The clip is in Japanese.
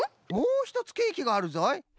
もうひとつケーキがあるぞい。